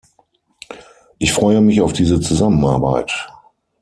Ich freue mich auf diese Zusammenarbeit!